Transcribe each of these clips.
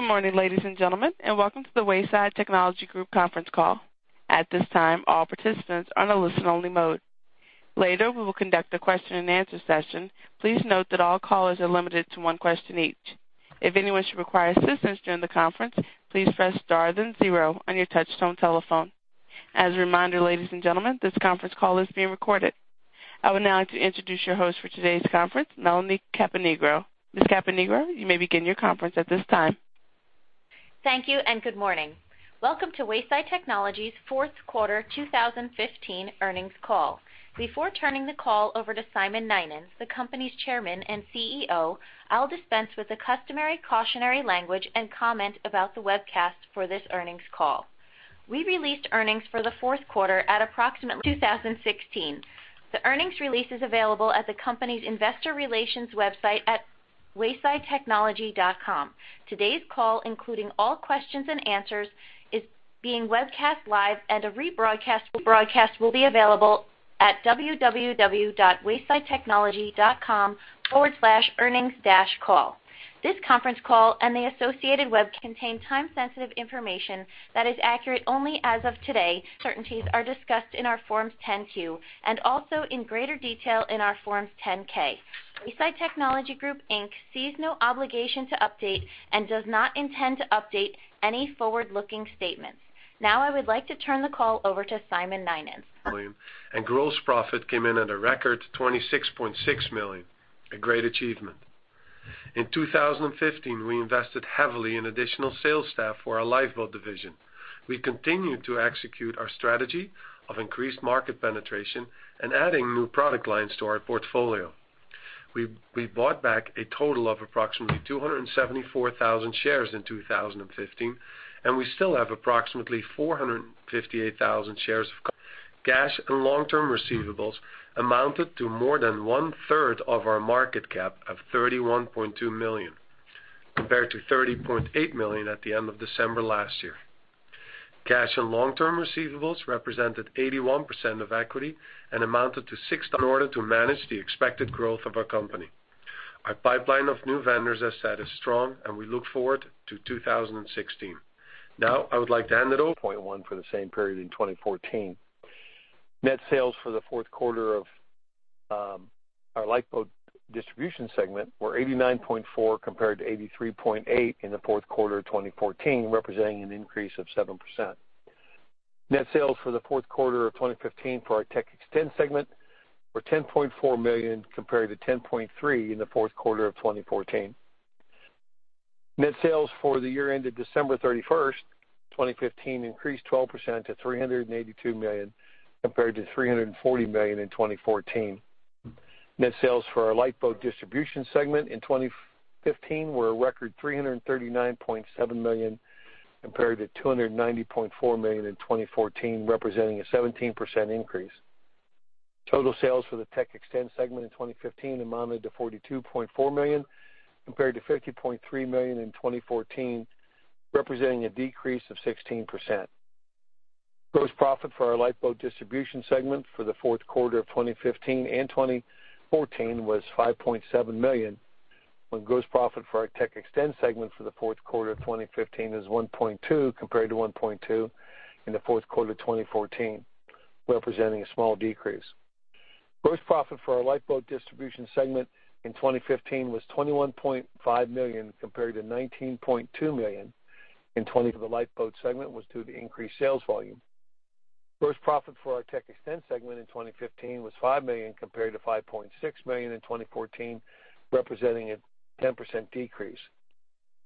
Good morning, ladies and gentlemen, and welcome to the Wayside Technology Group conference call. At this time, all participants are in a listen-only mode. Later, we will conduct a question and answer session. Please note that all callers are limited to one question each. If anyone should require assistance during the conference, please press star then zero on your touchtone telephone. As a reminder, ladies and gentlemen, this conference call is being recorded. I would now like to introduce your host for today's conference, Melanie Caponigro. Ms. Caponigro, you may begin your conference at this time. Thank you. Good morning. Welcome to Wayside Technology's fourth quarter 2015 earnings call. Before turning the call over to Simon Nynens, the company's Chairman and CEO, I'll dispense with the customary cautionary language and comment about the webcast for this earnings call. We released earnings for the fourth quarter at approximately 2016. The earnings release is available at the company's investor relations website at waysidetechnology.com. Today's call, including all questions and answers, is being webcast live and a rebroadcast will be available at www.waysidetechnology.com/earnings-call. This conference call and the associated webcast contain time-sensitive information that is accurate only as of today. Certainties are discussed in our Forms 10-Q and also in greater detail in our Forms 10-K. Wayside Technology Group Inc. sees no obligation to update and does not intend to update any forward-looking statements. Now I would like to turn the call over to Simon Nynens. Gross profit came in at a record $26.6 million. A great achievement. In 2015, we invested heavily in additional sales staff for our Lifeboat division. We continued to execute our strategy of increased market penetration and adding new product lines to our portfolio. We bought back a total of approximately 274,000 shares in 2015, and we still have approximately 458,000 shares. Cash and long-term receivables amounted to more than one-third of our market cap of $31.2 million, compared to $30.8 million at the end of December last year. Cash and long-term receivables represented 81% of equity. In order to manage the expected growth of our company. Our pipeline of new vendors, as said, is strong, and we look forward to 2016. Now, I would like to hand it over- $0.1 for the same period in 2014. Net sales for the fourth quarter of our Lifeboat Distribution segment were $89.4 compared to $83.8 in the fourth quarter of 2014, representing an increase of 7%. Net sales for the fourth quarter of 2015 for our TechXtend segment were $10.4 million compared to $10.3 million in the fourth quarter of 2014. Net sales for the year ended December 31st, 2015 increased 12% to $382 million compared to $340 million in 2014. Net sales for our Lifeboat Distribution segment in 2015 were a record $339.7 million compared to $290.4 million in 2014, representing a 17% increase. Total sales for the TechXtend segment in 2015 amounted to $42.4 million compared to $50.3 million in 2014, representing a decrease of 16%. Gross profit for our Lifeboat Distribution segment for the fourth quarter of 2015 and 2014 was $5.7 million. When gross profit for our TechXtend segment for the fourth quarter of 2015 is $1.2 million compared to $1.2 million in the fourth quarter 2014, representing a small decrease. Gross profit for our Lifeboat Distribution segment in 2015 was $21.5 million compared to $19.2 million, for the Lifeboat segment was due to increased sales volume. Gross profit for our TechXtend segment in 2015 was $5 million, compared to $5.6 million in 2014, representing a 10% decrease.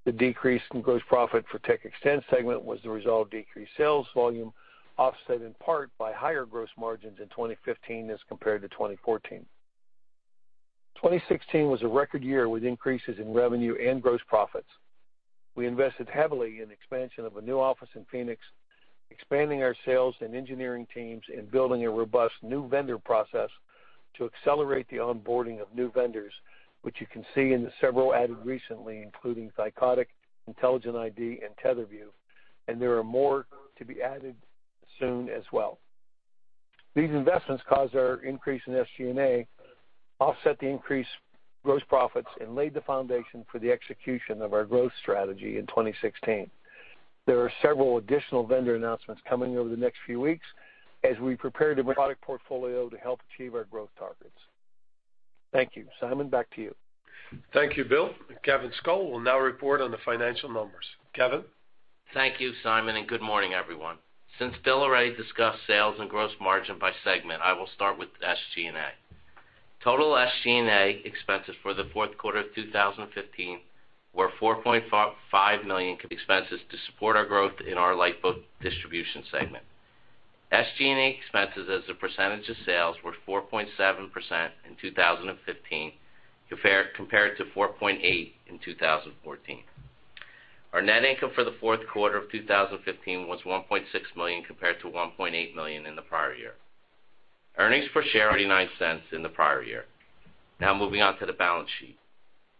The decrease in gross profit for TechXtend segment was the result of decreased sales volume, offset in part by higher gross margins in 2015 as compared to 2014. 2015 was a record year with increases in revenue and gross profits. We invested heavily in expansion of a new office in Phoenix, expanding our sales and engineering teams, and building a robust new vendor process to accelerate the onboarding of new vendors, which you can see in the several added recently, including Thycotic, Intelligent ID, and TetherView, and there are more to be added soon as well. These investments caused our increase in SG&A, offset the increased gross profits, and laid the foundation for the execution of our growth strategy in 2016. There are several additional vendor announcements coming over the next few weeks, product portfolio to help achieve our growth targets. Thank you. Simon, back to you. Thank you, Bill. Kevin Scull will now report on the financial numbers. Kevin? Thank you, Simon, and good morning, everyone. Since Bill already discussed sales and gross margin by segment, I will start with SG&A. Total SG&A expenses for the fourth quarter of 2015 were $4.5 million. Expenses to support our growth in our Lifeboat Distribution segment. SG&A expenses as a percentage of sales were 4.7% in 2015 compared to 4.8% in 2014. Our net income for the fourth quarter of 2015 was $1.6 million compared to $1.8 million in the prior year. Earnings per share. $0.99 in the prior year. Moving on to the balance sheet.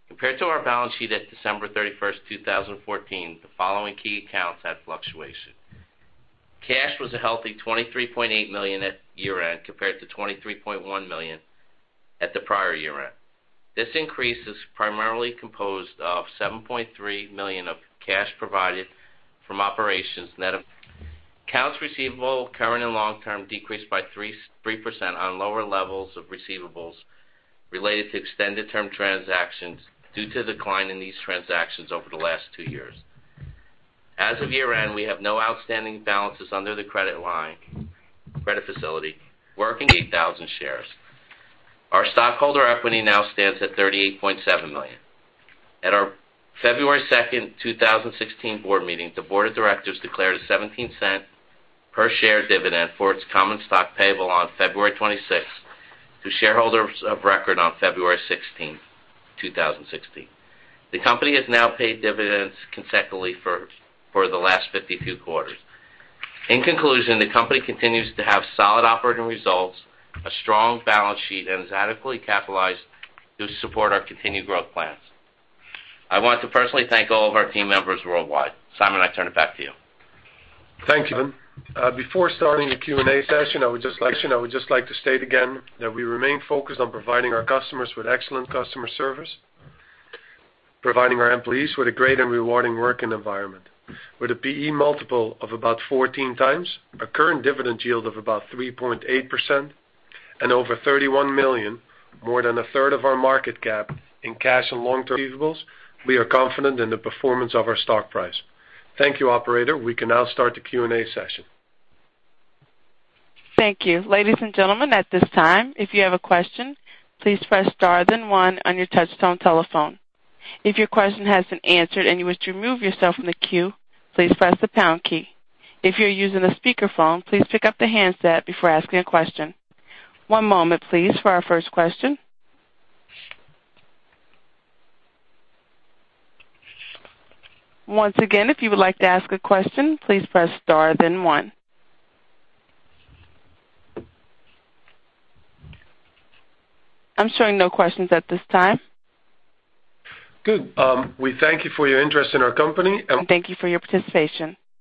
Compared to our balance sheet at December 31, 2014, the following key accounts had fluctuation Cash was a healthy $23.8 million at year-end, compared to $23.1 million at the prior year-end. This increase is primarily composed of $7.3 million of cash provided from operations net of Accounts receivable, current and long-term, decreased by 3% on lower levels of receivables related to extended term transactions due to the decline in these transactions over the last two years. As of year-end, we have no outstanding balances under the credit facility. Working 8,000 shares. Our stockholder equity now stands at $38.7 million. At our February 2, 2016 board meeting, the board of directors declared a $0.17 per share dividend for its common stock payable on February 26, to shareholders of record on February 16, 2016. The company has now paid dividends consecutively for the last 52 quarters. In conclusion, the company continues to have solid operating results, a strong balance sheet, and is adequately capitalized to support our continued growth plans. I want to personally thank all of our team members worldwide. Simon, I turn it back to you. Thank you, Evan. Before starting the Q&A session, I would just like to state again that we remain focused on providing our customers with excellent customer service, providing our employees with a great and rewarding working environment. With a P/E multiple of about 14 times, a current dividend yield of about 3.8%, and over $31 million, more than a third of our market cap in cash and long-term receivables, we are confident in the performance of our stock price. Thank you, operator. We can now start the Q&A session. Thank you. Ladies and gentlemen, at this time, if you have a question, please press star then one on your touchtone telephone. If your question has been answered and you wish to remove yourself from the queue, please press the pound key. If you're using a speakerphone, please pick up the handset before asking a question. One moment, please, for our first question. Once again, if you would like to ask a question, please press star then one. I'm showing no questions at this time. Good. We thank you for your interest in our company. Thank you for your participation.